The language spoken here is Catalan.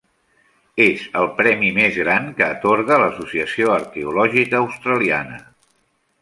És el premi més gran que atorga l'Associació Arqueològica Australiana.